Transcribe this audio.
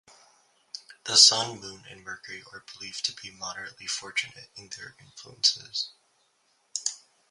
The Sun, Moon, and Mercury are believed to be moderately fortunate in their influences.